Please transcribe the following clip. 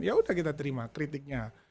ya udah kita terima kritiknya